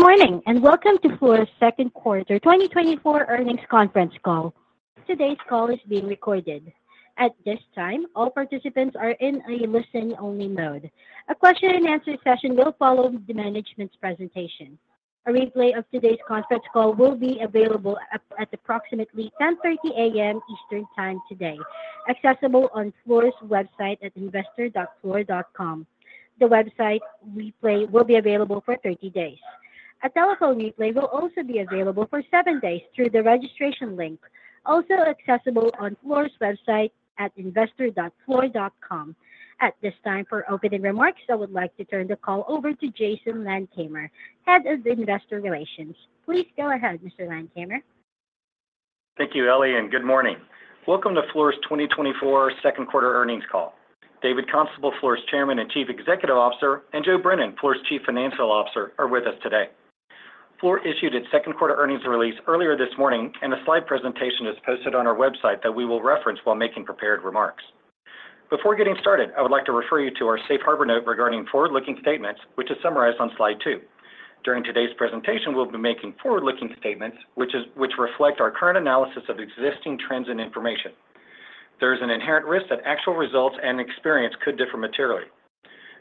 Good morning, and welcome to Fluor's Q2 2024 Earnings Conference Call. Today's call is being recorded. At this time, all participants are in a listen-only mode. A question and answer session will follow the management's presentation. A replay of today's conference call will be available at approximately 10:30AM Eastern Time today, accessible on Fluor's website at investor.fluor.com. The website replay will be available for 30 days. A telephone replay will also be available for 7 days through the registration link, also accessible on Fluor's website at investor.fluor.com. At this time, for opening remarks, I would like to turn the call over to Jason Landkamer, Head of Investor Relations. Please go ahead, Mr. Landkamer. Thank you, Ellie, and good morning. Welcome to Fluor's 2024 Q2 earnings call. David Constable, Fluor's Chairman and Chief Executive Officer, and Joe Brennan, Fluor's Chief Financial Officer, are with us today. Fluor issued its Q2 earnings release earlier this morning, and a slide presentation is posted on our website that we will reference while making prepared remarks. Before getting started, I would like to refer you to our Safe Harbor note regarding forward-looking statements, which is summarized on slide 2. During today's presentation, we'll be making forward-looking statements, which reflect our current analysis of existing trends and information. There is an inherent risk that actual results and experience could differ materially.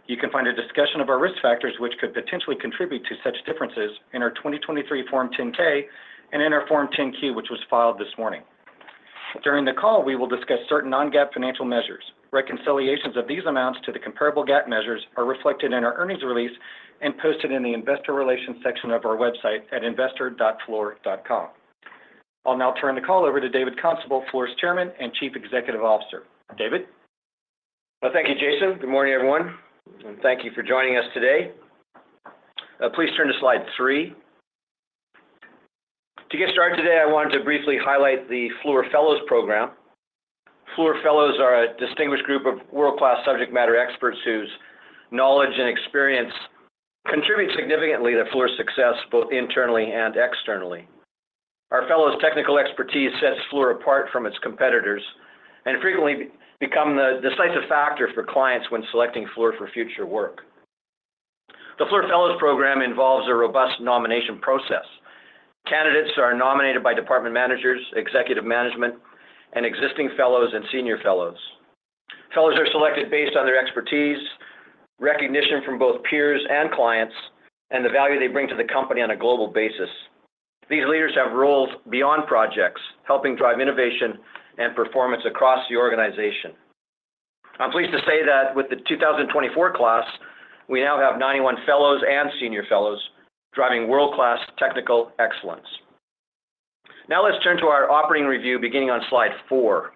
You can find a discussion of our risk factors, which could potentially contribute to such differences, in our 2023 Form 10-K and in our Form 10-Q, which was filed this morning. During the call, we will discuss certain non-GAAP financial measures. Reconciliations of these amounts to the comparable GAAP measures are reflected in our earnings release and posted in the investor relations section of our website at investor.fluor.com. I'll now turn the call over to David Constable, Fluor's Chairman and Chief Executive Officer. David? Well, thank you, Jason. Good morning, everyone, and thank you for joining us today. Please turn to slide three. To get started today, I wanted to briefly highlight the Fluor Fellows program. Fluor Fellows are a distinguished group of world-class subject matter experts whose knowledge and experience contribute significantly to Fluor's success, both internally and externally. Our Fellows' technical expertise sets Fluor apart from its competitors and frequently become the decisive factor for clients when selecting Fluor for future work. The Fluor Fellows program involves a robust nomination process. Candidates are nominated by department managers, executive management, and existing Fellows and Senior Fellows. Fellows are selected based on their expertise, recognition from both peers and clients, and the value they bring to the company on a global basis. These leaders have roles beyond projects, helping drive innovation and performance across the organization. I'm pleased to say that with the 2024 class, we now have 91 Fellows and Senior Fellows driving world-class technical excellence. Now, let's turn to our operating review, beginning on slide 4.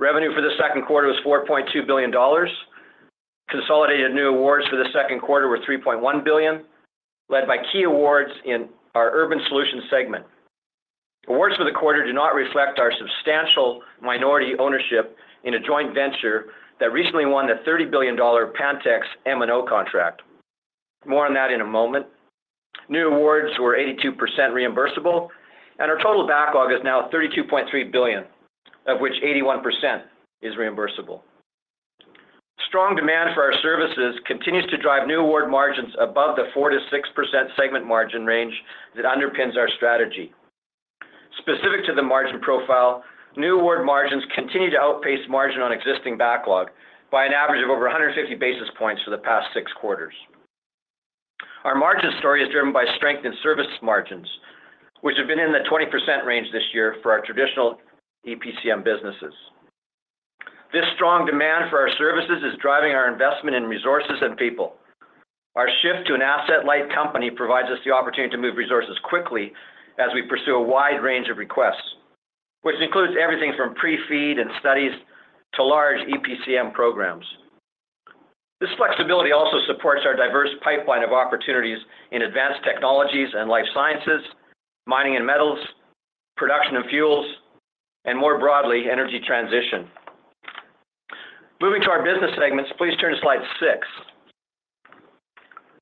Revenue for the Q2 was $4.2 billion. Consolidated new awards for the Q2 were $3.1 billion, led by key awards in our Urban Solutions segment. Awards for the quarter do not reflect our substantial minority ownership in a joint venture that recently won a $30 billion Pantex M&O contract. More on that in a moment. New awards were 82% reimbursable, and our total backlog is now $32.3 billion, of which 81% is reimbursable. Strong demand for our services continues to drive new award margins above the 4 to 6% segment margin range that underpins our strategy. Specific to the margin profile, new award margins continue to outpace margin on existing backlog by an average of over 150 basis points for the past 6 quarters. Our margin story is driven by strength in service margins, which have been in the 20% range this year for our traditional EPCM businesses. This strong demand for our services is driving our investment in resources and people. Our shift to an asset-light company provides us the opportunity to move resources quickly as we pursue a wide range of requests, which includes everything from pre-FEED and studies to large EPCM programs. This flexibility also supports our diverse pipeline of opportunities in advanced technologies and life sciences, mining and metals, production and fuels, and more broadly, energy transition. Moving to our business segments, please turn to slide 6.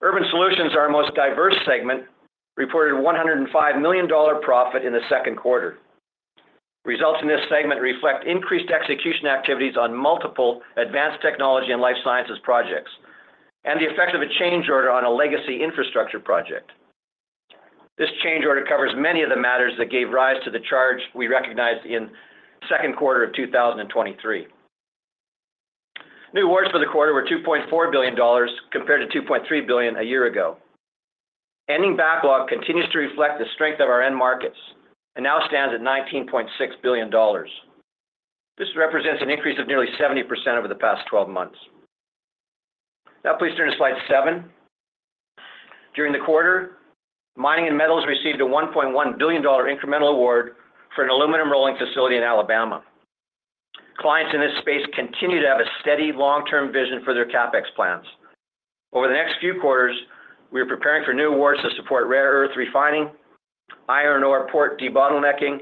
Urban Solutions, our most diverse segment, reported $105 million profit in the Q2. Results in this segment reflect increased execution activities on multiple advanced technology and life sciences projects and the effect of a change order on a legacy infrastructure project. This change order covers many of the matters that gave rise to the charge we recognized in Q2 of 2023. New awards for the quarter were $2.4 billion, compared to $2.3 billion a year ago. Ending backlog continues to reflect the strength of our end markets and now stands at $19.6 billion. This represents an increase of nearly 70% over the past twelve months. Now, please turn to slide seven. During the quarter, Mining and Metals received a $1.1 billion incremental award for an aluminum rolling facility in Alabama. Clients in this space continue to have a steady, long-term vision for their CapEx plans. Over the next few quarters, we are preparing for new awards to support rare earth refining, iron ore port debottlenecking,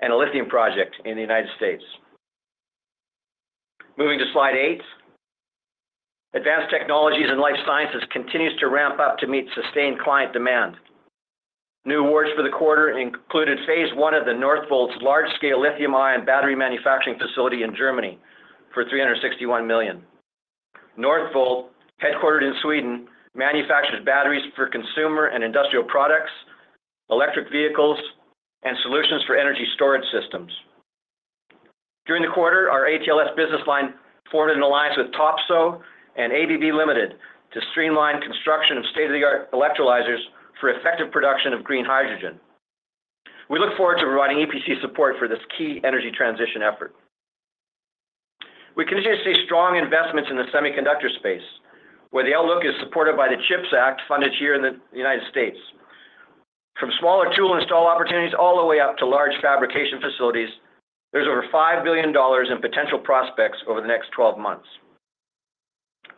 and a lithium project in the United States. Moving to slide 8. Advanced technologies and life sciences continues to ramp up to meet sustained client demand. New awards for the quarter included phase one of the Northvolt's large-scale lithium-ion battery manufacturing facility in Germany for $361 million. Northvolt, headquartered in Sweden, manufactures batteries for consumer and industrial products, electric vehicles, and solutions for energy storage systems. During the quarter, our AT&LS business line formed an alliance with Topsoe and ABB Limited to streamline construction of state-of-the-art electrolyzers for effective production of green hydrogen. We look forward to providing EPC support for this key energy transition effort. We continue to see strong investments in the semiconductor space, where the outlook is supported by the CHIPS Act, funded here in the United States. From smaller tool install opportunities all the way up to large fabrication facilities, there's over $5 billion in potential prospects over the next 12 months.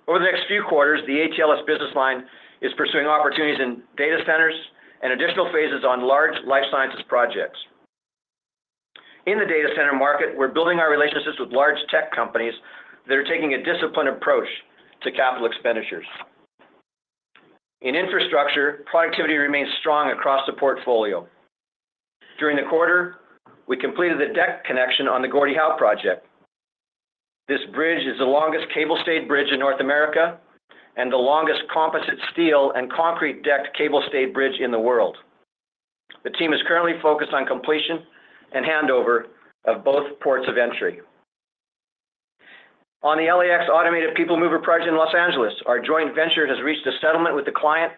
Over the next few quarters, the AT&LS business line is pursuing opportunities in data centers and additional phases on large life sciences projects. In the data center market, we're building our relationships with large tech companies that are taking a disciplined approach to capital expenditures. In infrastructure, productivity remains strong across the portfolio. During the quarter, we completed the deck connection on the Gordie Howe Project. This bridge is the longest cable-stayed bridge in North America and the longest composite steel and concrete-decked cable-stayed bridge in the world. The team is currently focused on completion and handover of both ports of entry. On the LAX Automated People Mover Project in Los Angeles, our joint venture has reached a settlement with the client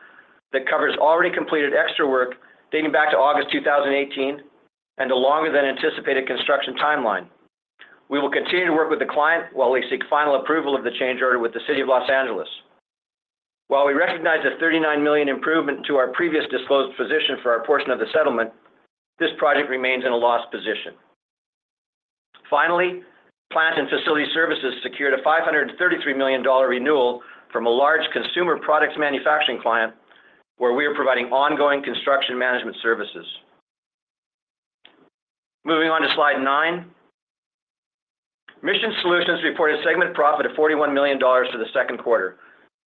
that covers already completed extra work dating back to August 2018, and a longer than anticipated construction timeline. We will continue to work with the client while we seek final approval of the change order with the City of Los Angeles. While we recognize a $39 million improvement to our previous disclosed position for our portion of the settlement, this project remains in a loss position. Finally, Plant and Facility Services secured a $533 million renewal from a large consumer products manufacturing client, where we are providing ongoing construction management services. Moving on to slide 9. Mission Solutions reported a segment profit of $41 million for the Q2,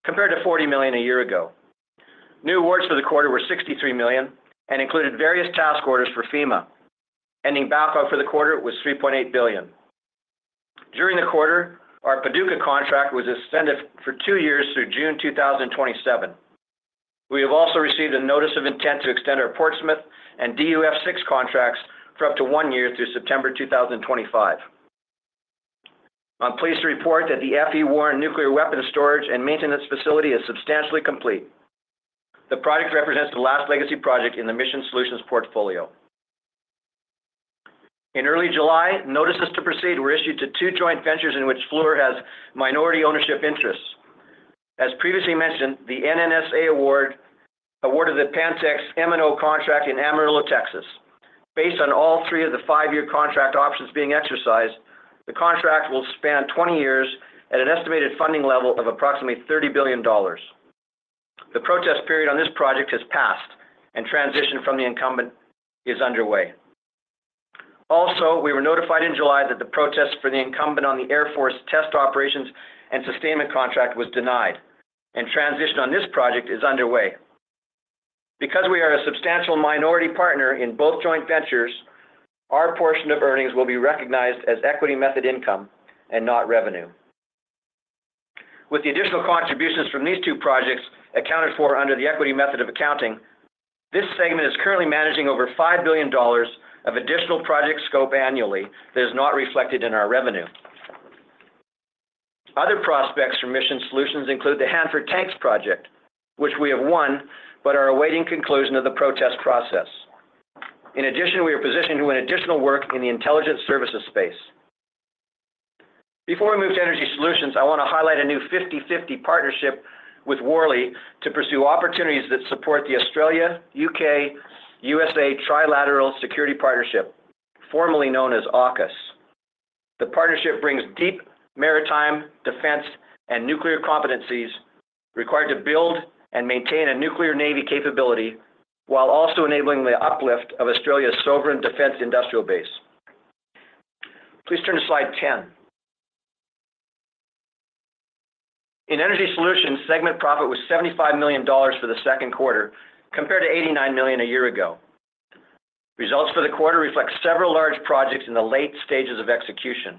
compared to $40 million a year ago. New awards for the quarter were $63 million and included various task orders for FEMA. Ending backlog for the quarter was $3.8 billion. During the quarter, our Paducah contract was extended for two years through June 2027. We have also received a notice of intent to extend our Portsmouth and DUF6 contracts for up to one year through September 2025. I'm pleased to report that the FE Warren Nuclear Weapons Storage and Maintenance Facility is substantially complete. The project represents the last legacy project in the Mission Solutions portfolio. In early July, notices to proceed were issued to two joint ventures in which Fluor has minority ownership interests. As previously mentioned, the NNSA award awarded the Pantex M&O contract in Amarillo, Texas. Based on all three of the five-year contract options being exercised, the contract will span 20 years at an estimated funding level of approximately $30 billion. The protest period on this project has passed, and transition from the incumbent is underway. Also, we were notified in July that the protest for the incumbent on the Air Force Test Operations and Sustainment contract was denied, and transition on this project is underway. Because we are a substantial minority partner in both joint ventures, our portion of earnings will be recognized as equity method income and not revenue. With the additional contributions from these two projects accounted for under the equity method of accounting, this segment is currently managing over $5 billion of additional project scope annually that is not reflected in our revenue. Other prospects for Mission Solutions include the Hanford Tanks project, which we have won, but are awaiting conclusion of the protest process. In addition, we are positioned to win additional work in the intelligence services space. Before we move to Energy Solutions, I want to highlight a new 50/50 partnership with Worley to pursue opportunities that support the Australia-UK-USA Trilateral Security Partnership, formerly known as AUKUS. The partnership brings deep maritime, defense, and nuclear competencies required to build and maintain a nuclear navy capability while also enabling the uplift of Australia's sovereign defense industrial base. Please turn to slide 10. In Energy Solutions, segment profit was $75 million for the Q2, compared to $89 million a year ago. Results for the quarter reflect several large projects in the late stages of execution.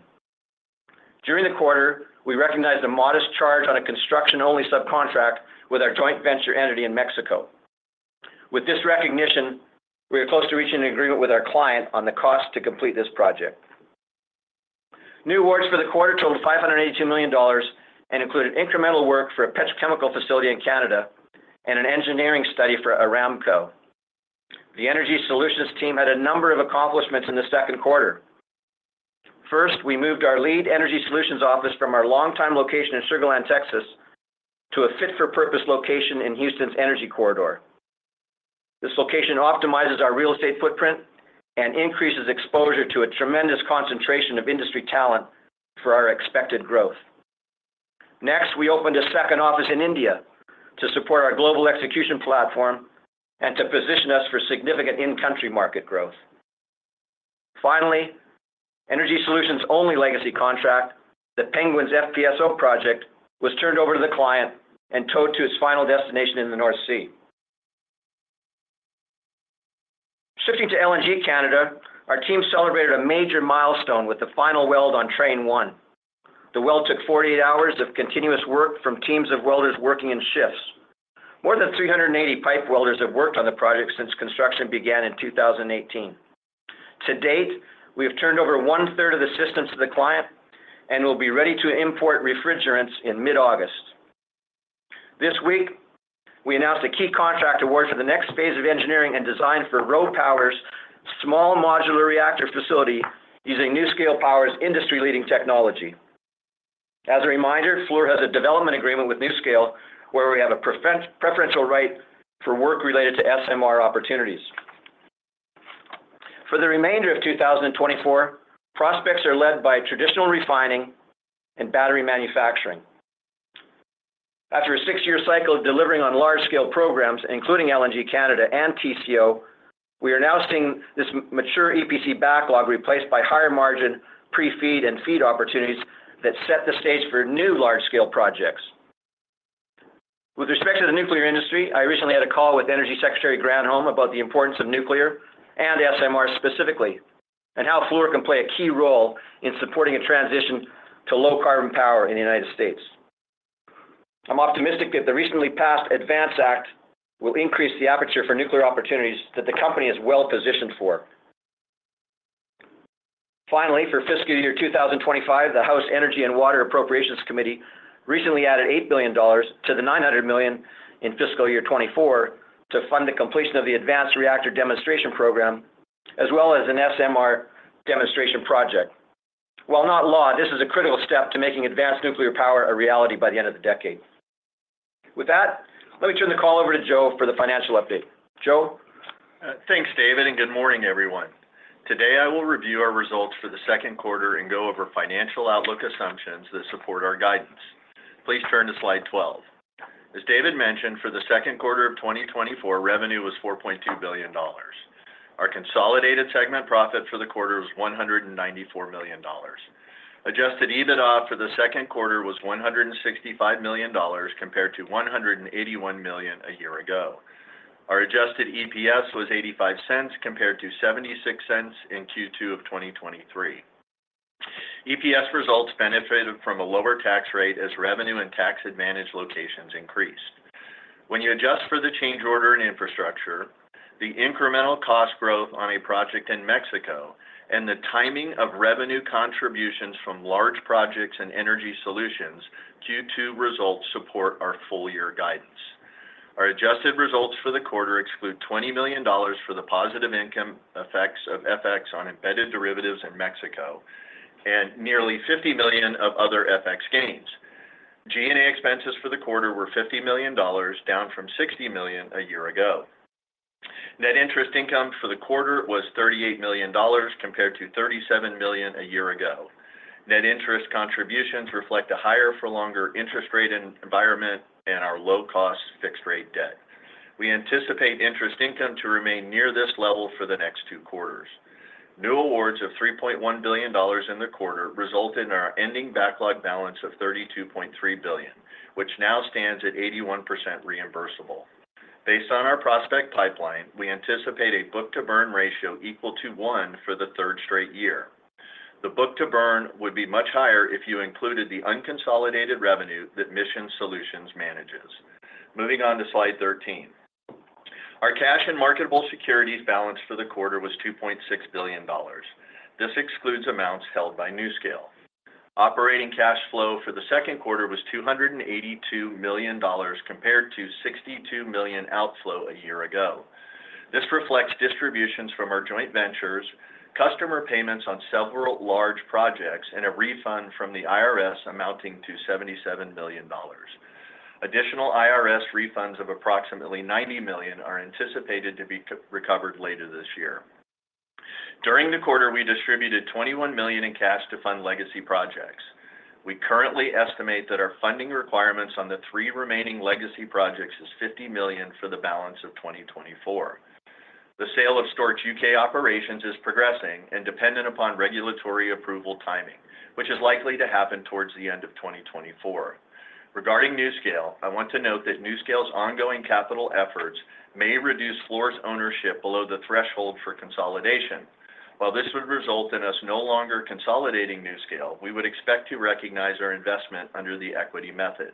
During the quarter, we recognized a modest charge on a construction-only subcontract with our joint venture entity in Mexico. With this recognition, we are close to reaching an agreement with our client on the cost to complete this project. New awards for the quarter totaled $582 million and included incremental work for a petrochemical facility in Canada and an engineering study for Aramco. The Energy Solutions team had a number of accomplishments in the Q2. First, we moved our lead Energy Solutions office from our longtime location in Sugar Land, Texas, to a fit-for-purpose location in Houston's Energy Corridor. This location optimizes our real estate footprint and increases exposure to a tremendous concentration of industry talent for our expected growth. Next, we opened a second office in India to support our global execution platform and to position us for significant in-country market growth.... Finally, Energy Solutions' only legacy contract, the Penguins FPSO project, was turned over to the client and towed to its final destination in the North Sea. Shifting to LNG Canada, our team celebrated a major milestone with the final weld on train one. The weld took 48 hours of continuous work from teams of welders working in shifts. More than 380 pipe welders have worked on the project since construction began in 2018. To date, we have turned over one-third of the systems to the client and will be ready to import refrigerants in mid-August. This week, we announced a key contract award for the next phase of engineering and design for RoPower's small modular reactor facility using NuScale Power's industry-leading technology. As a reminder, Fluor has a development agreement with NuScale, where we have a preferential right for work related to SMR opportunities. For the remainder of 2024, prospects are led by traditional refining and battery manufacturing. After a six-year cycle of delivering on large-scale programs, including LNG Canada and TCO, we are now seeing this mature EPC backlog replaced by higher margin pre-FEED and FEED opportunities that set the stage for new large-scale projects. With respect to the nuclear industry, I recently had a call with Energy Secretary Granholm about the importance of nuclear, and SMR specifically, and how Fluor can play a key role in supporting a transition to low carbon power in the United States. I'm optimistic that the recently passed ADVANCE Act will increase the aperture for nuclear opportunities that the company is well positioned for. Finally, for fiscal year 2025, the House Energy and Water Appropriations Committee recently added $8 billion to the $900 million in fiscal year 2024 to fund the completion of the Advanced Reactor Demonstration Program, as well as an SMR demonstration project. While not law, this is a critical step to making advanced nuclear power a reality by the end of the decade. With that, let me turn the call over to Joe for the financial update. Joe? Thanks, David, and good morning, everyone. Today, I will review our results for the Q2 and go over financial outlook assumptions that support our guidance. Please turn to slide 12. As David mentioned, for the Q2 of 2024, revenue was $4.2 billion. Our consolidated segment profit for the quarter was $194 million. Adjusted EBITDA for the Q2 was $165 million compared to $181 million a year ago. Our adjusted EPS was $0.85, compared to $0.76 in Q2 of 2023. EPS results benefited from a lower tax rate as revenue and tax advantage locations increased. When you adjust for the change order in infrastructure, the incremental cost growth on a project in Mexico, and the timing of revenue contributions from large projects and energy solutions, Q2 results support our full year guidance. Our adjusted results for the quarter exclude $20 million for the positive income effects of FX on embedded derivatives in Mexico, and nearly $50 million of other FX gains. G&A expenses for the quarter were $50 million, down from $60 million a year ago. Net interest income for the quarter was $38 million, compared to $37 million a year ago. Net interest contributions reflect a higher for longer interest rate environment and our low-cost fixed rate debt. We anticipate interest income to remain near this level for the next two quarters. New awards of $3.1 billion in the quarter resulted in our ending backlog balance of $32.3 billion, which now stands at 81% reimbursable. Based on our prospect pipeline, we anticipate a book-to-burn ratio equal to 1 for the third straight year. The book-to-burn would be much higher if you included the unconsolidated revenue that Mission Solutions manages. Moving on to slide 13. Our cash and marketable securities balance for the quarter was $2.6 billion. This excludes amounts held by NuScale. Operating cash flow for the Q2 was $282 million, compared to $62 million outflow a year ago. This reflects distributions from our joint ventures, customer payments on several large projects, and a refund from the IRS amounting to $77 million. Additional IRS refunds of approximately $90 million are anticipated to be recovered later this year. During the quarter, we distributed $21 million in cash to fund legacy projects. We currently estimate that our funding requirements on the three remaining legacy projects is $50 million for the balance of 2024. The sale of Stork UK operations is progressing and dependent upon regulatory approval timing, which is likely to happen towards the end of 2024. Regarding NuScale, I want to note that NuScale's ongoing capital efforts may reduce Fluor's ownership below the threshold for consolidation. While this would result in us no longer consolidating NuScale, we would expect to recognize our investment under the equity method.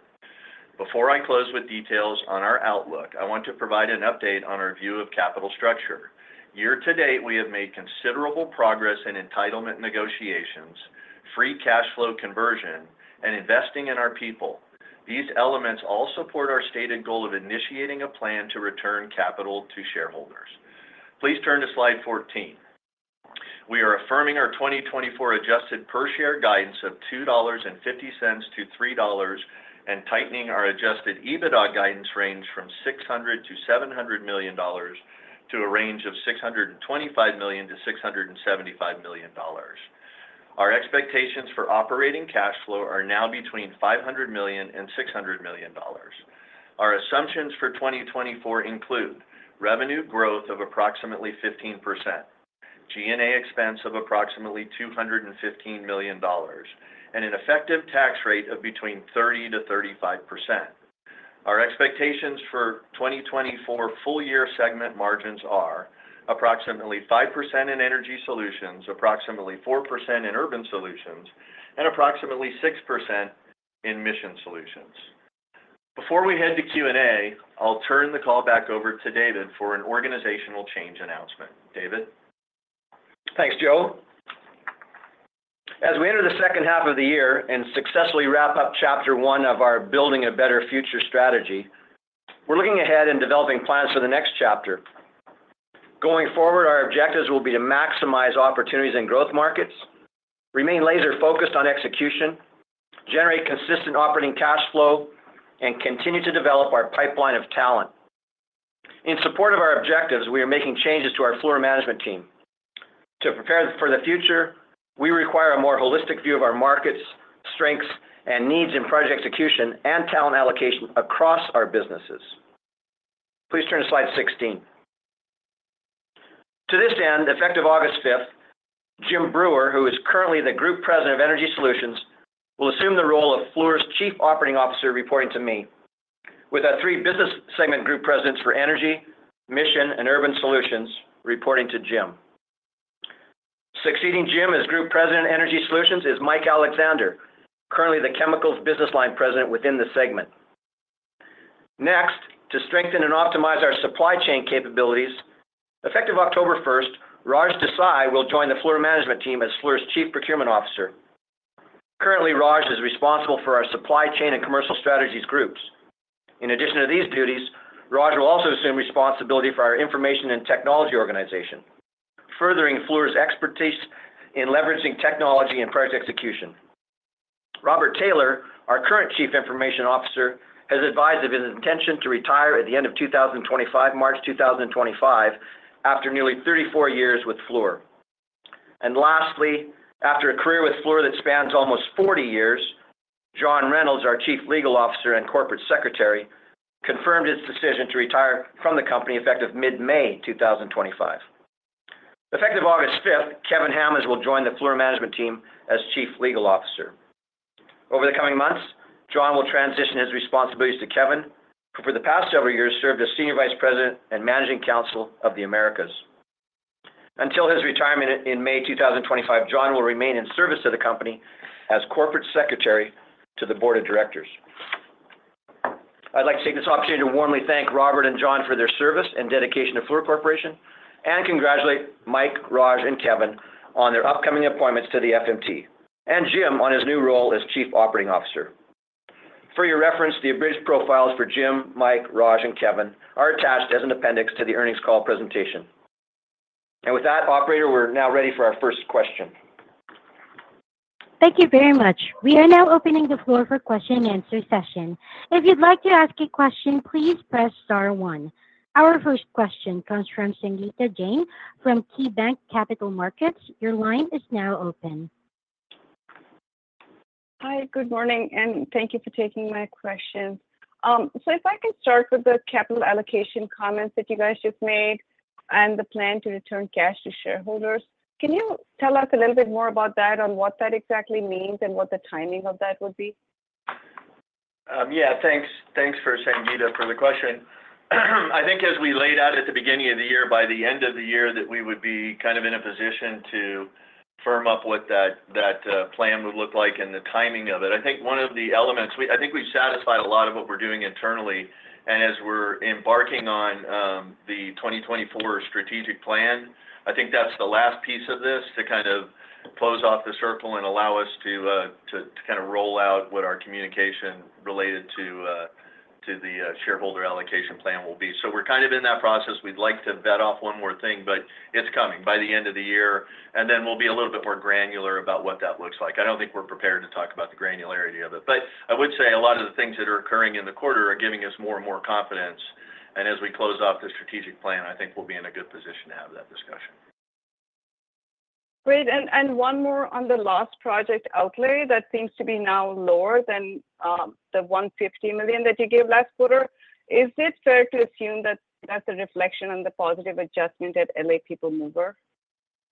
Before I close with details on our outlook, I want to provide an update on our view of capital structure. Year to date, we have made considerable progress in entitlement negotiations, free cash flow conversion, and investing in our people. These elements all support our stated goal of initiating a plan to return capital to shareholders. Please turn to slide 14. We are affirming our 2024 adjusted per share guidance of $2.50 to 3.00, and tightening our adjusted EBITDA guidance range from $600 to 700 million to a range of $625 to 675 million. Our expectations for operating cash flow are now between $500 million and $600 million. Our assumptions for 2024 include: revenue growth of approximately 15%, G&A expense of approximately $215 million, and an effective tax rate of between 30% to 35%. Our expectations for 2024 full year segment margins are approximately 5% in energy solutions, approximately 4% in urban solutions, and approximately 6% in mission solutions. Before we head to Q&A, I'll turn the call back over to David for an organizational change announcement. David? Thanks, Joe. As we enter the second half of the year and successfully wrap up chapter one of our Building a Better Future strategy, we're looking ahead and developing plans for the next chapter. Going forward, our objectives will be to maximize opportunities in growth markets, remain laser-focused on execution, generate consistent operating cash flow, and continue to develop our pipeline of talent. In support of our objectives, we are making changes to our Fluor management team. To prepare for the future, we require a more holistic view of our markets, strengths, and needs in project execution and talent allocation across our businesses. Please turn to slide 16. To this end, effective 5 August, Jim Breuer, who is currently the Group President of Energy Solutions, will assume the role of Fluor's Chief Operating Officer, reporting to me, with our three business segment group presidents for energy, mission, and urban solutions reporting to Jim. Succeeding Jim as Group President, Energy Solutions, is Mike Alexander, currently the Chemicals Business Line President within the segment. Next, to strengthen and optimize our supply chain capabilities, effective October first, Raj Desai will join the Fluor management team as Fluor's Chief Procurement Officer. Currently, Raj is responsible for our supply chain and commercial strategies groups. In addition to these duties, Raj will also assume responsibility for our information and technology organization, furthering Fluor's expertise in leveraging technology and project execution. Robert Taylor, our current Chief Information Officer, has advised of his intention to retire at the end of 2025, March 2025, after nearly 34 years with Fluor. And lastly, after a career with Fluor that spans almost 40 years, John Reynolds, our Chief Legal Officer and Corporate Secretary, confirmed his decision to retire from the company effective mid-May 2025. Effective 5 August, Kevin Hammonds will join the Fluor management team as Chief Legal Officer. Over the coming months, John will transition his responsibilities to Kevin, who for the past several years served as Senior Vice President and Managing Counsel of the Americas. Until his retirement in May 2025, John will remain in service to the company as Corporate Secretary to the Board of Directors. I'd like to take this opportunity to warmly thank Robert and John for their service and dedication to Fluor Corporation, and congratulate Mike, Raj, and Kevin on their upcoming appointments to the FMT, and Jim on his new role as Chief Operating Officer. For your reference, the abridged profiles for Jim, Mike, Raj, and Kevin are attached as an appendix to the earnings call presentation. With that, operator, we're now ready for our first question. Thank you very much. We are now opening the floor for question and answer session. If you'd like to ask a question, please press star one. Our first question comes from Sangeeta Jain from KeyBanc Capital Markets. Your line is now open. Hi, good morning, and thank you for taking my question. So if I can start with the capital allocation comments that you guys just made and the plan to return cash to shareholders, can you tell us a little bit more about that on what that exactly means and what the timing of that would be? Yeah, thanks. Thanks for Sangeeta, for the question. I think as we laid out at the beginning of the year, by the end of the year, that we would be kind of in a position to firm up what that, that, plan would look like and the timing of it. I think one of the elements. I think we've satisfied a lot of what we're doing internally. And as we're embarking on, the 2024 strategic plan, I think that's the last piece of this to kind of close off the circle and allow us to, to, to kind of roll out what our communication related to, to the, shareholder allocation plan will be. So we're kind of in that process. We'd like to vet off one more thing, but it's coming by the end of the year, and then we'll be a little bit more granular about what that looks like. I don't think we're prepared to talk about the granularity of it, but I would say a lot of the things that are occurring in the quarter are giving us more and more confidence, and as we close off the strategic plan, I think we'll be in a good position to have that discussion. Great. And one more on the last project outlay that seems to be now lower than the $150 million that you gave last quarter. Is it fair to assume that that's a reflection on the positive adjustment at L.A. People Mover?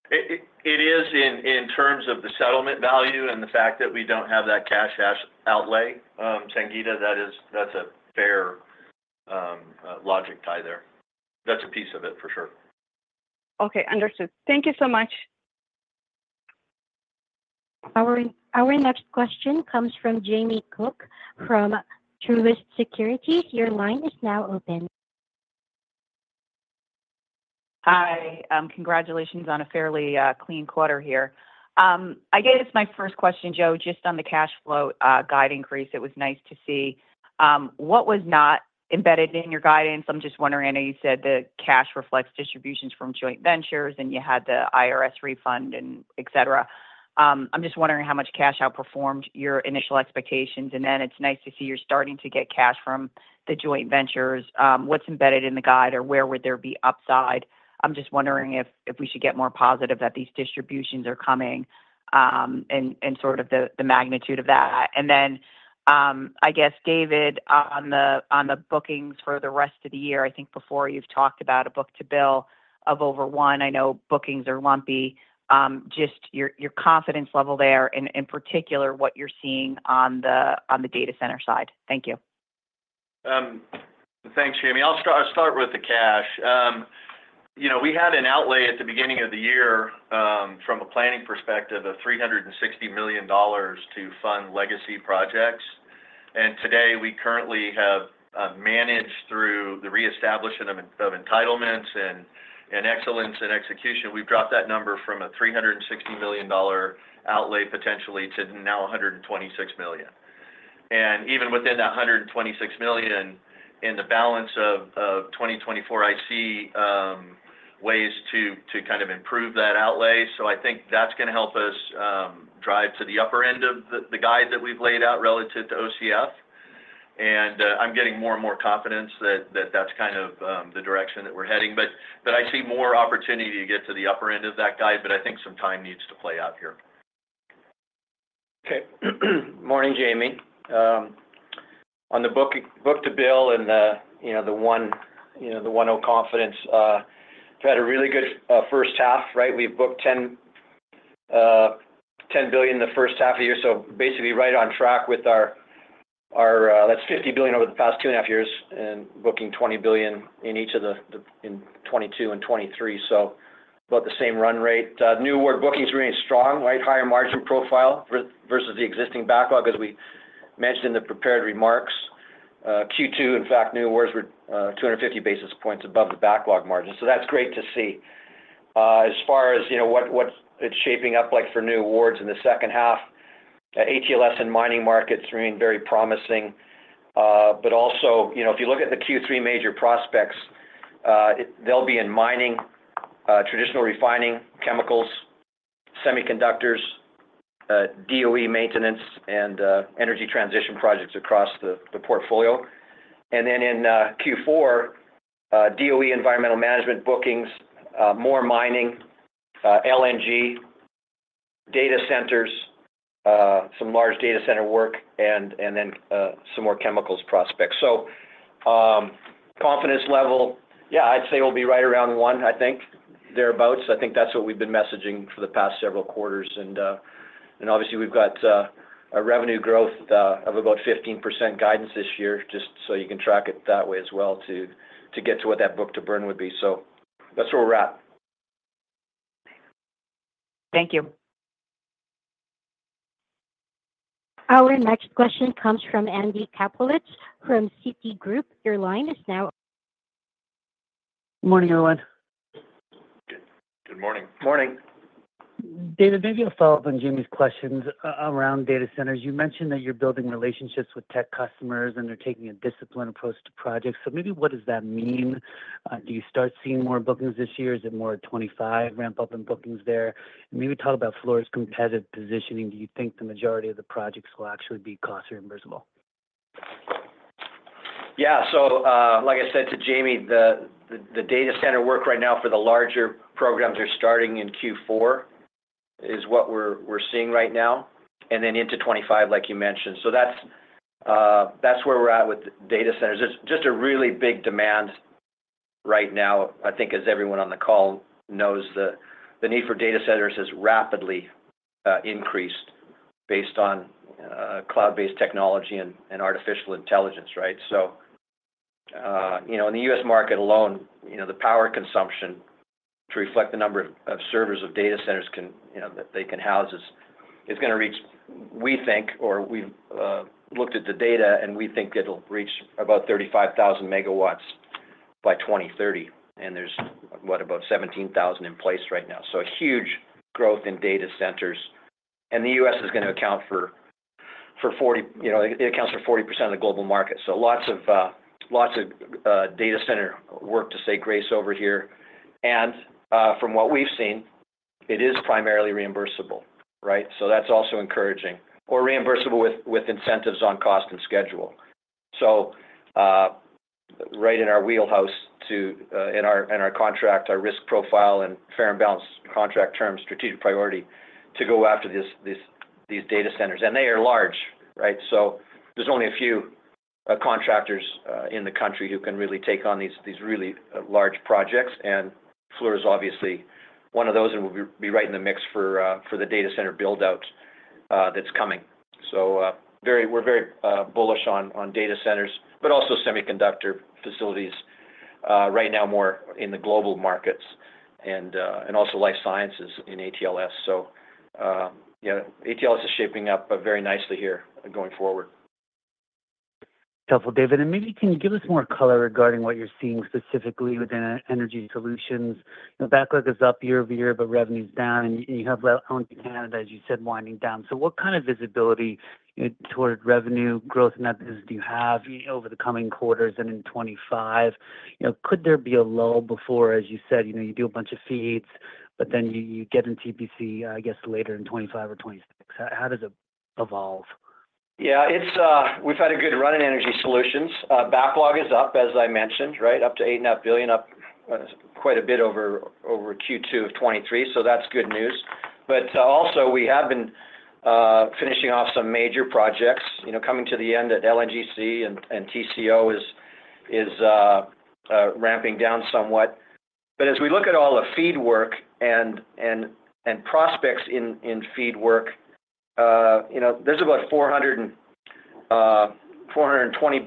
It is in terms of the settlement value and the fact that we don't have that cash outlay. Sangeeta, that is, that's a fair logic tie there. That's a piece of it, for sure. Okay, understood. Thank you so much. Our next question comes from Jamie Cook from Truist Securities. Your line is now open. Hi, congratulations on a fairly clean quarter here. I guess my first question, Joe, just on the cash flow guide increase, it was nice to see. What was not embedded in your guidance, I'm just wondering, I know you said the cash reflects distributions from joint ventures, and you had the IRS refund and et cetera. I'm just wondering how much cash outperformed your initial expectations? And then it's nice to see you're starting to get cash from the joint ventures. What's embedded in the guide, or where would there be upside? I'm just wondering if we should get more positive that these distributions are coming, and sort of the magnitude of that. And then, I guess, David, on the bookings for the rest of the year, I think before you've talked about a book-to-bill of over one. I know bookings are lumpy, just your confidence level there, and in particular, what you're seeing on the data center side? Thank you.... Thanks, Jamie. I'll start with the cash. You know, we had an outlay at the beginning of the year, from a planning perspective, of $360 million to fund legacy projects. And today, we currently have managed through the reestablishment of entitlements and excellence in execution. We've dropped that number from a $360 million outlay potentially to now $126 million. And even within that $126 million, in the balance of 2024, I see ways to kind of improve that outlay. So I think that's gonna help us drive to the upper end of the guide that we've laid out relative to OCF. And I'm getting more and more confidence that that's kind of the direction that we're heading. But I see more opportunity to get to the upper end of that guide, but I think some time needs to play out here. Okay. Morning, Jamie. On the book-to-bill and the, you know, the 1.0 confidence, we've had a really good first half, right? We've booked $10 billion in the first half of the year, so basically right on track with our, our... That's $50 billion over the past two and a half years, and booking $20 billion in each of the, the-- in 2022 and 2023, so about the same run rate. New award bookings remain strong, right? Higher margin profile versus the existing backlog, as we mentioned in the prepared remarks. Q2, in fact, new awards were two hundred and fifty basis points above the backlog margin, so that's great to see. As far as, you know, what it's shaping up like for new awards in the second half, AT&LS and mining markets remain very promising. But also, you know, if you look at the Q3 major prospects, they'll be in mining, traditional refining, chemicals, semiconductors, DOE maintenance, and energy transition projects across the portfolio. And then in Q4, DOE environmental management bookings, more mining, LNG, data centers, some large data center work, and then some more chemicals prospects. So, confidence level, yeah, I'd say we'll be right around one, I think, thereabout. I think that's what we've been messaging for the past several quarters, and obviously, we've got a revenue growth of about 15% guidance this year, just so you can track it that way as well to get to what that book-to-burn would be. So that's where we're at. Thank you. Our next question comes from Andy Kaplowitz, from Citi. Your line is now- Morning, everyone. Good morning. Morning. David, maybe a follow-up on Jamie's questions around data centers. You mentioned that you're building relationships with tech customers, and they're taking a disciplined approach to projects. So maybe what does that mean? Do you start seeing more bookings this year? Is it more of 2025 ramp up in bookings there? And maybe talk about Fluor's competitive positioning. Do you think the majority of the projects will actually be cost reimbursable? Yeah. So, like I said to Jamie, the data center work right now for the larger programs are starting in Q4, is what we're seeing right now, and then into 2025, like you mentioned. So that's where we're at with data centers. It's just a really big demand right now. I think, as everyone on the call knows, the need for data centers has rapidly increased based on cloud-based technology and artificial intelligence, right? So, you know, in the US market alone, you know, the power consumption to reflect the number of servers, of data centers can, you know, that they can house is gonna reach, we think, or we've looked at the data, and we think it'll reach about 35,000 MW by 2030. And there's, what? About 17,000 MW in place right now. So a huge growth in data centers, and the US is gonna account for 40, you know, it accounts for 40% of the global market. So lots of data center work to say the least over here. And from what we've seen, it is primarily reimbursable, right? So that's also encouraging. Or reimbursable with incentives on cost and schedule. So right in our wheelhouse to in our contract, our risk profile, and fair and balanced contract terms, strategic priority, to go after this, these data centers. And they are large, right? So there's only a few contractors in the country who can really take on these really large projects, and Fluor is obviously one of those, and we'll be right in the mix for the data center build-out that's coming. We're very bullish on data centers, but also semiconductor facilities right now, more in the global markets and also life sciences in AT&LS. Yeah, AT&LS is shaping up very nicely here going forward. Helpful, David. Maybe, can you give us more color regarding what you're seeing specifically within Energy Solutions? The backlog is up year-over-year, but revenue's down, and you have LNG Canada, as you said, winding down. So what kind of visibility toward revenue growth and that is—do you have over the coming quarters and in 2025? You know, could there be a lull before, as you said, you know, you do a bunch of FEEDs, but then you get in TCO, I guess, later in 2025 or 2026? How does it evolve? Yeah, it's... We've had a good run in Energy Solutions. Backlog is up, as I mentioned, right? Up to $8.5 billion, up quite a bit over Q2 of 2023, so that's good news. But also, we have been finishing off some major projects. You know, coming to the end at LNGC and TCO is ramping down somewhat. But as we look at all the feed work and prospects in feed work, you know, there's about $420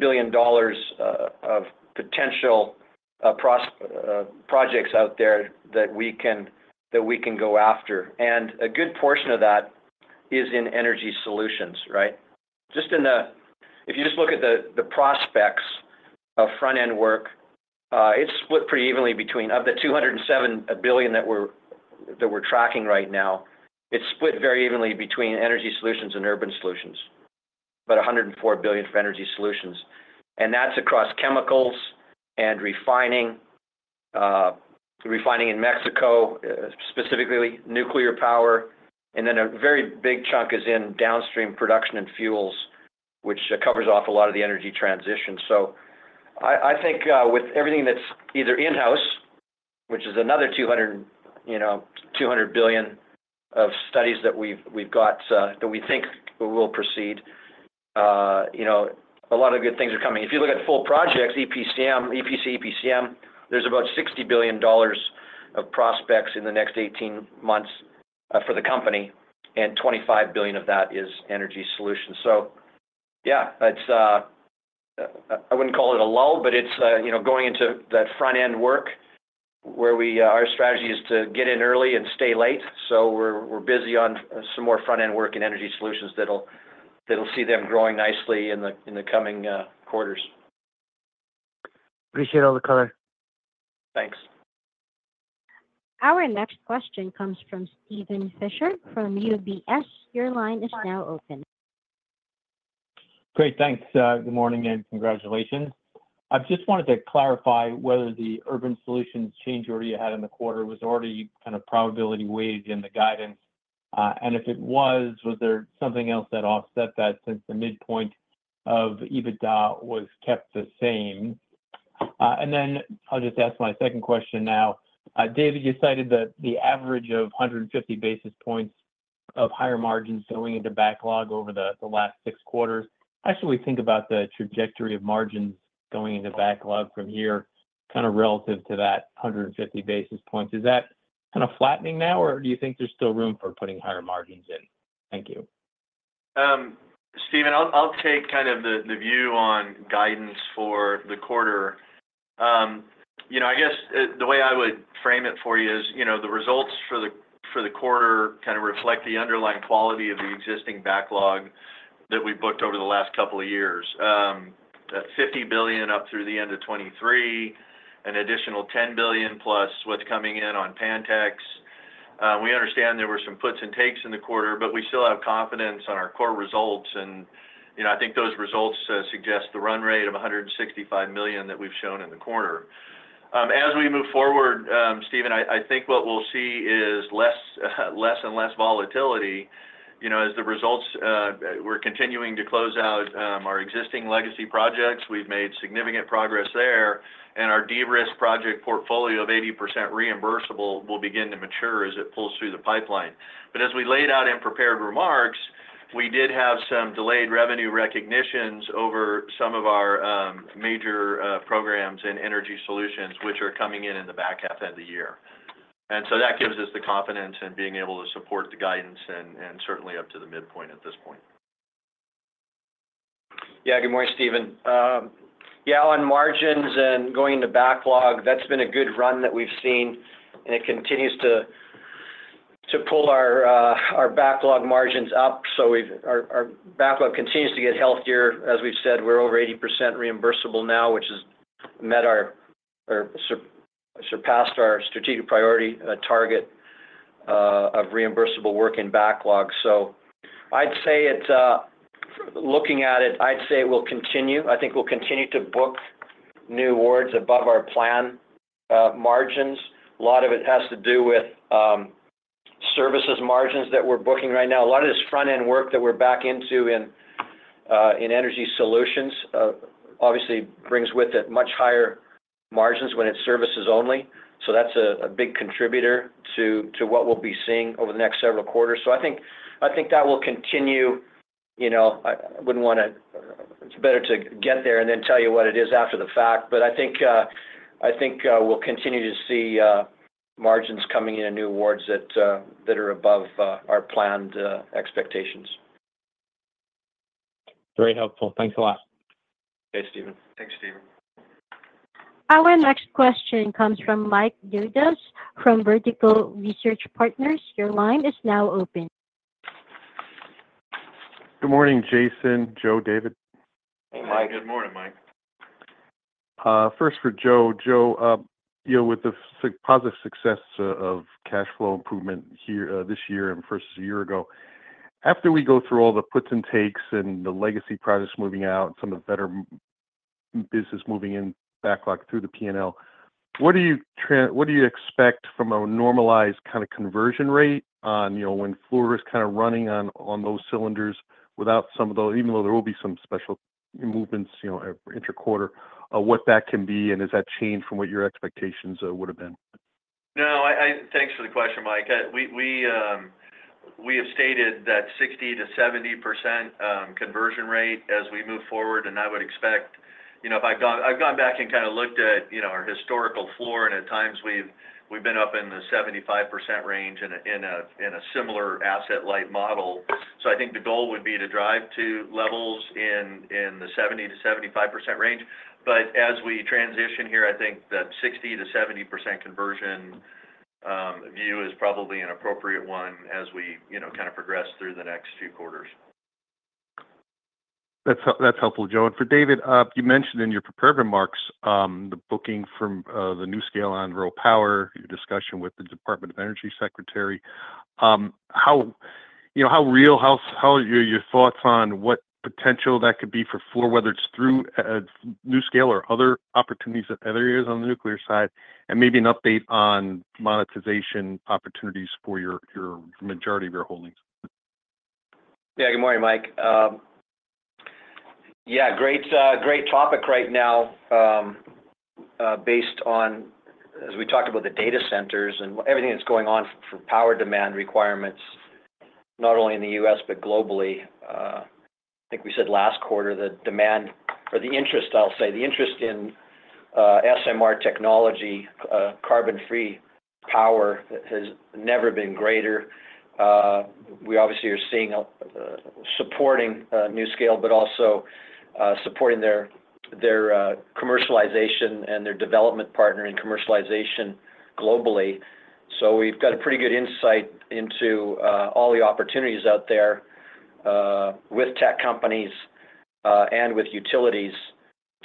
billion of potential projects out there that we can go after, and a good portion of that is in Energy Solutions, right? Just in the- If you just look at the prospects of front-end work, it's split pretty evenly between... Of the $207 billion that we're tracking right now, it's split very evenly between energy solutions and urban solutions. About $104 billion for energy solutions, and that's across chemicals and refining, refining in Mexico, specifically nuclear power, and then a very big chunk is in downstream production and fuels, which covers off a lot of the energy transition. So I think, with everything that's either in-house, which is another $200 billion, you know, of studies that we've got that we think will proceed, you know, a lot of good things are coming. If you look at full projects, EPCM, EPC, EPCM, there's about $60 billion of prospects in the next 18 months for the company, and $25 billion of that is energy solutions. So yeah, it's. I wouldn't call it a lull, but it's, you know, going into that front-end work where our strategy is to get in early and stay late. So we're busy on some more front-end work in energy solutions that'll see them growing nicely in the coming quarters. Appreciate all the color. Thanks. Our next question comes from Steven Fisher from UBS. Your line is now open. Great, thanks. Good morning, and congratulations. I just wanted to clarify whether the urban solutions change order you had in the quarter was already kind of probability weighed in the guidance, and if it was, was there something else that offset that since the midpoint of EBITDA was kept the same? And then I'll just ask my second question now. David, you cited that the average of 150 basis points of higher margins going into backlog over the last six quarters. As we think about the trajectory of margins going into backlog from here, kind of relative to that 150 basis points, is that kind of flattening now, or do you think there's still room for putting higher margins in? Thank you. Steven, I'll take the view on guidance for the quarter. You know, the way I would frame it for you is, you know, the results for the quarter reflect the underlying quality of the existing backlog that we've booked over the last couple of years. That $50 billion up through the end of 2023, an additional $10 billion plus what's coming in on Pantex. We understand there were some puts and takes in the quarter, but we still have confidence on our core results, and, you know, I think those results suggest the run rate of $165 million that we've shown in the quarter. As we move forward, Steven, I think what we'll see is less, less and less volatility, you know, as the results we're continuing to close out our existing legacy projects. We've made significant progress there, and our de-risk project portfolio of 80% reimbursable will begin to mature as it pulls through the pipeline. But as we laid out in prepared remarks, we did have some delayed revenue recognitions over some of our major programs in Energy Solutions, which are coming in in the back half of the year. And so that gives us the confidence in being able to support the guidance and certainly up to the midpoint at this point. Yeah. Good morning, Steven. Yeah, on margins and going into backlog, that's been a good run that we've seen, and it continues to pull our our backlog margins up. So we've. Our backlog continues to get healthier. As we've said, we're over 80% reimbursable now, which has surpassed our strategic priority target of reimbursable work in backlog. So I'd say it, looking at it, I'd say it will continue. I think we'll continue to book new awards above our planned margins. A lot of it has to do with services margins that we're booking right now. A lot of this front-end work that we're back into in in Energy Solutions obviously brings with it much higher margins when it's services only. So that's a big contributor to what we'll be seeing over the next several quarters. So I think, I think that will continue, you know, I wouldn't wanna. It's better to get there and then tell you what it is after the fact, but I think, I think, we'll continue to see margins coming in and new awards that, that are above our planned expectations. Very helpful. Thanks a lot. Thanks, Steven. Thanks, Steven. Our next question comes from Mike Dudas from Vertical Research Partners. Your line is now open. Good morning, Jason, Joe, David. Hey, Mike. Good morning, Mike. First for Joe. Joe, you know, with the positive success of cash flow improvement here this year and versus a year ago, after we go through all the puts and takes and the legacy projects moving out and some of the better business moving in backlog through the P&L, what do you expect from a normalized kind of conversion rate on, you know, when Fluor is kind of running on, on those cylinders without some of those—even though there will be some special movements, you know, interquarter, what that can be and does that change from what your expectations would've been?... No, thanks for the question, Mike. We have stated that 60% to 70% conversion rate as we move forward, and I would expect, you know, if I've gone back and kind of looked at, you know, our historical Fluor, and at times we've been up in the 75% range in a similar asset-light model. So I think the goal would be to drive to levels in the 70% to 75% range. But as we transition here, I think that 60% to 70% conversion view is probably an appropriate one as we, you know, kind of progress through the next few quarters. That's helpful, Joe. And for David, you mentioned in your prepared remarks, the booking from the NuScale on RoPower, your discussion with the Department of Energy secretary. You know, how are your thoughts on what potential that could be for Fluor, whether it's through NuScale or other opportunities in other areas on the nuclear side, and maybe an update on monetization opportunities for your majority of your holdings? Yeah. Good morning, Mike. Yeah, great, great topic right now, based on as we talked about the data centers and everything that's going on for power demand requirements, not only in the US, but globally. I think we said last quarter that demand or the interest, I'll say, the interest in, SMR technology, carbon-free power has never been greater. We obviously are seeing a, supporting, NuScale, but also, supporting their, their, commercialization and their development partner in commercialization globally. So we've got a pretty good insight into, all the opportunities out there, with tech companies, and with utilities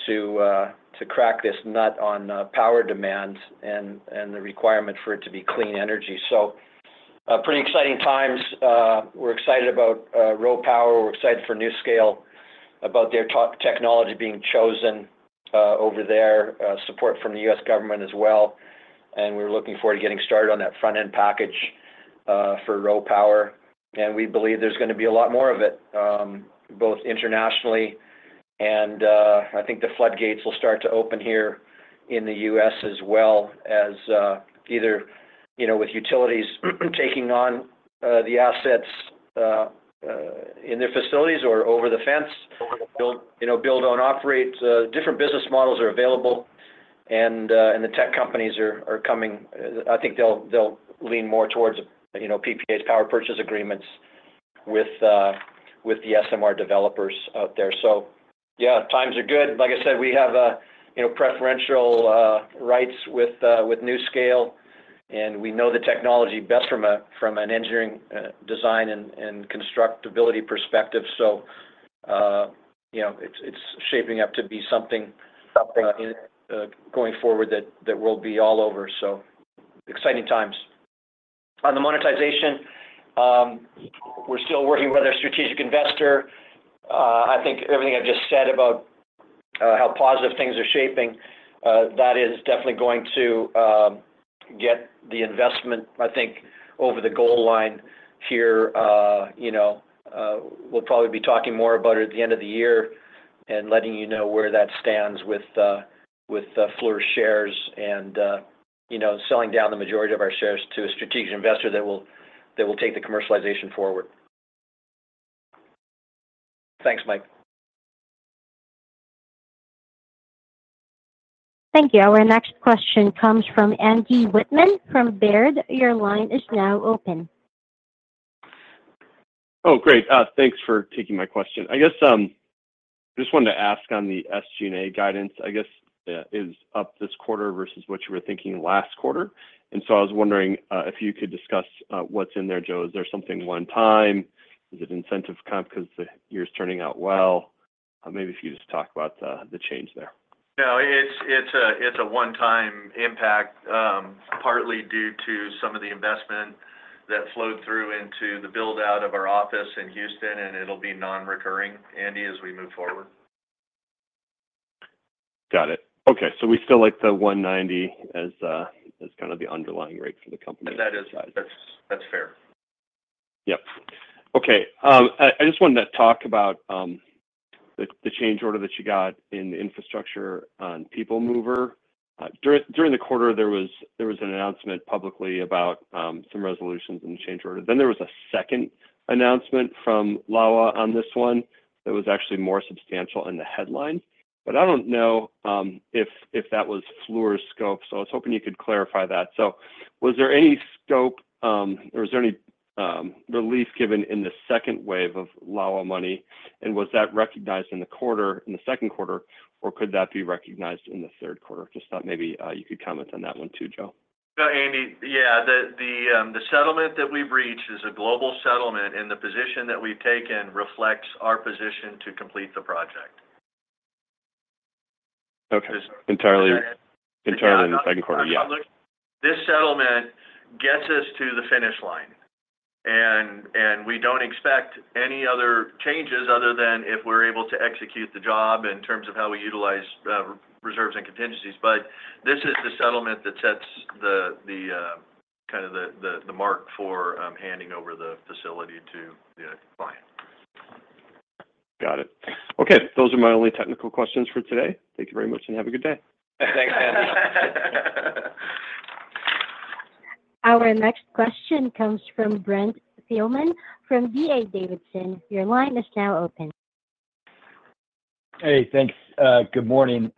to, to crack this nut on, power demand and, and the requirement for it to be clean energy. So, a pretty exciting times. We're excited about, RoPower. We're excited for NuScale, about their top technology being chosen, over there, support from the US government as well, and we're looking forward to getting started on that front-end package, for RoPower. And we believe there's gonna be a lot more of it, both internationally, and, I think the floodgates will start to open here in the US as well as, either, you know, with utilities, taking on, the assets, in their facilities or over the fence, build, you know, build on operates. Different business models are available, and, and the tech companies are, are coming. I think they'll, they'll lean more towards, you know, PPAs, power purchase agreements, with, with the SMR developers out there. So yeah, times are good. Like I said, we have a, you know, preferential rights with, with NuScale, and we know the technology best from a, from an engineering design, and, and constructability perspective. So, you know, it's, it's shaping up to be something, going forward that, that will be all over. So exciting times. On the monetization, we're still working with our strategic investor. I think everything I've just said about, how positive things are shaping, that is definitely going to get the investment, I think, over the goal line here. You know, we'll probably be talking more about it at the end of the year and letting you know where that stands with the Fluor shares and, you know, selling down the majority of our shares to a strategic investor that will take the commercialization forward. Thanks, Mike. Thank you. Our next question comes from Andy Wittmann from Baird. Your line is now open. Oh, great. Thanks for taking my question. I guess, I just wanted to ask on the SG&A guidance, I guess, is up this quarter versus what you were thinking last quarter. And so I was wondering, if you could discuss, what's in there, Joe. Is there something one time? Is it incentive comp because the year is turning out well? Maybe if you just talk about, the change there. No, it's a one-time impact, partly due to some of the investment that flowed through into the build-out of our office in Houston, and it'll be non-recurring, Andy, as we move forward. Got it. Okay. So we still like the $1.90 as, as kind of the underlying rate for the company. That is. That's, that's fair. Yep. Okay, I just wanted to talk about the change order that you got in the infrastructure on People Mover. During the quarter, there was an announcement publicly about some resolutions and change order. Then there was a second announcement from LAWA on this one that was actually more substantial in the headline, but I don't know if that was Fluor's scope. So I was hoping you could clarify that. So was there any scope or was there any relief given in the second wave of LAWA money, and was that recognized in the quarter, in the Q2, or could that be recognized in the Q3? Just thought maybe you could comment on that one, too, Joe. Andy, yeah, the settlement that we've reached is a global settlement, and the position that we've taken reflects our position to complete the project. Okay. Entirely, entirely in the Q2. Yeah. This settlement gets us to the finish line, and we don't expect any other changes other than if we're able to execute the job in terms of how we utilize reserves and contingencies. But this is the settlement that sets the kind of mark for handing over the facility to the client.... Got it. Okay, those are my only technical questions for today. Thank you very much, and have a good day. Thanks, Andy. Our next question comes from Brent Thielman from D.A. Davidson. Your line is now open. Hey, thanks. Good morning.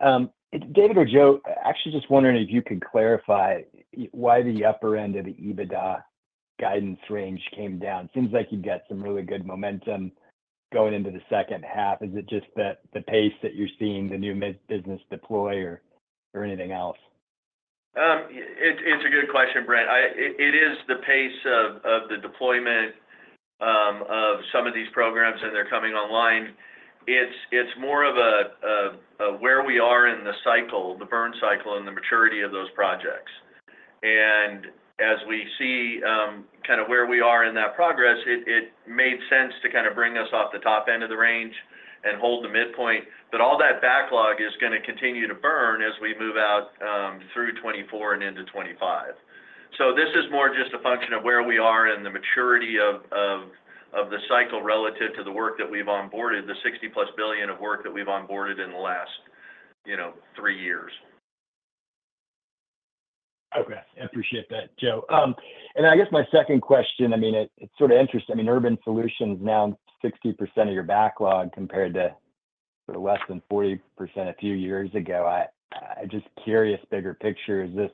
David or Joe, actually just wondering if you could clarify why the upper end of the EBITDA guidance range came down. Seems like you've got some really good momentum going into the second half. Is it just that the pace that you're seeing the new mid business deploy or, or anything else? It's a good question, Brent. It is the pace of the deployment of some of these programs, and they're coming online. It's more of a where we are in the cycle, the burn cycle, and the maturity of those projects. And as we see kind of where we are in that progress, it made sense to kind of bring us off the top end of the range and hold the midpoint. But all that backlog is gonna continue to burn as we move out through 2024 and into 2025. So this is more just a function of where we are and the maturity of the cycle relative to the work that we've onboarded, the $60+ billion of work that we've onboarded in the last, you know, three years. Okay. I appreciate that, Joe. And I guess my second question, I mean, it's sort of interesting. I mean, Urban Solutions is now 60% of your backlog, compared to less than 40% a few years ago. I'm just curious, bigger picture, is this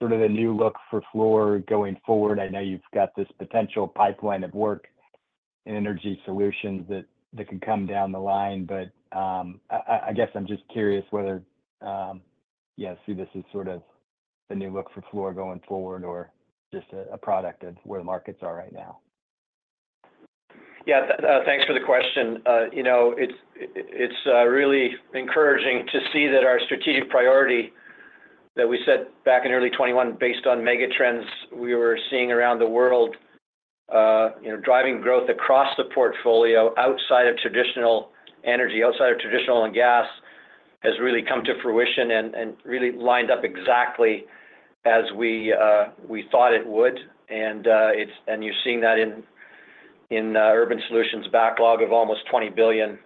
sort of the new look for Fluor going forward? I know you've got this potential pipeline of work in energy solutions that can come down the line, but I guess I'm just curious whether yeah, see this as sort of the new look for Fluor going forward or just a product of where the markets are right now. Yeah, thanks for the question. You know, it's really encouraging to see that our strategic priority that we set back in early 2021, based on mega trends we were seeing around the world, you know, driving growth across the portfolio outside of traditional energy, outside of traditional oil and gas, has really come to fruition and really lined up exactly as we thought it would. And you're seeing that in Urban Solutions backlog of almost $20 billion.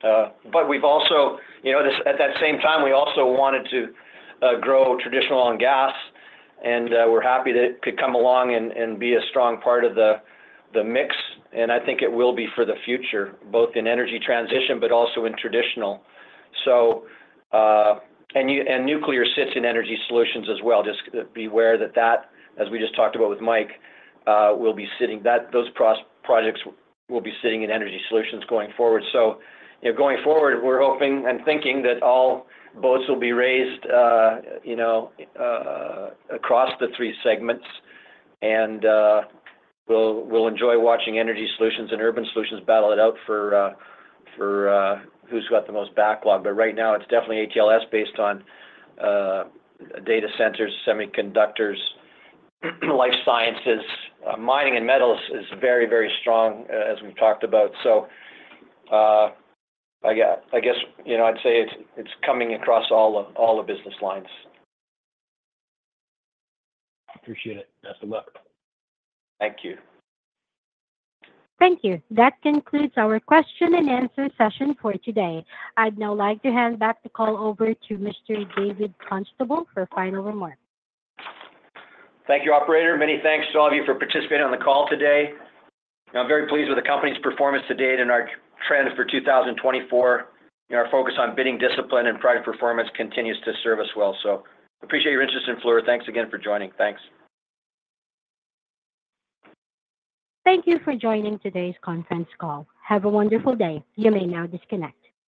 But we've also... You know, this, at that same time, we also wanted to grow traditional oil and gas, and we're happy that it could come along and be a strong part of the mix. And I think it will be for the future, both in energy transition, but also in traditional. So, and nuclear sits in Energy Solutions as well. Just be aware that, as we just talked about with Mike, those projects will be sitting in Energy Solutions going forward. So, you know, going forward, we're hoping and thinking that all boats will be raised, you know, across the three segments. And we'll enjoy watching Energy Solutions and Urban Solutions battle it out for who's got the most backlog. But right now, it's definitely AT&LS, based on data centers, semiconductors, life sciences. Mining and metals is very, very strong, as we've talked about. So, I guess, you know, I'd say it's coming across all the business lines. Appreciate it. Best of luck. Thank you. Thank you. That concludes our question and answer session for today. I'd now like to hand back the call over to Mr. David Constable for final remarks. Thank you, operator. Many thanks to all of you for participating on the call today. I'm very pleased with the company's performance to date and our trends for 2024. Our focus on bidding discipline and project performance continues to serve us well. Appreciate your interest in Fluor. Thanks again for joining. Thanks. Thank you for joining today's conference call. Have a wonderful day. You may now disconnect.